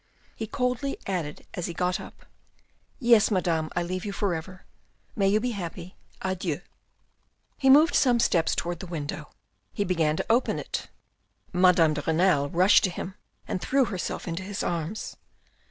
He coldly added as he got up. " Yes, madame, I leave you for ever. May you be happy. Adieu." He moved some steps towards the window. He began to open it. Madame de Renal rushed to him and threw herself into his arms.